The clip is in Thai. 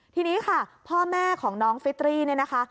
ทีนี้ค่ะพ่อแม่ของน้องฟิตรีเนี่ยนะคะ